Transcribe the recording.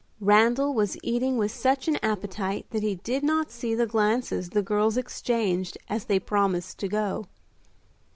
Randal was eating with such an appetite that he did not see the glances the girls exchanged as they promised to go.